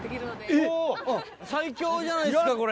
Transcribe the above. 最強じゃないですかこれ。